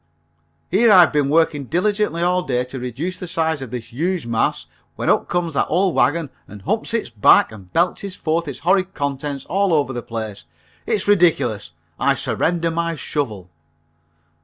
Here I've been working diligently all day to reduce the size of this huge mass, when up comes that old wagon and humps its back and belches forth its horrid contents all over the place. It's ridiculous. I surrender my shovel."